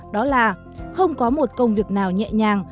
đó là không có một công việc nào nhẹ nhàng